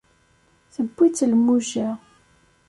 Tewwi-tt lmuja